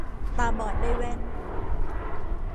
ตาบอดได้แว่น